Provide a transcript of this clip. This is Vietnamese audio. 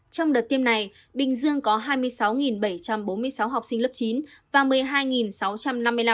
trong đợt tiêm này bình dương có hai mươi sáu bảy trăm bốn mươi sáu học sinh lớp chín và một mươi hai sáu trăm năm mươi năm học